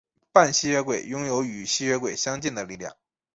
半吸血鬼拥有与吸血鬼相似的力量。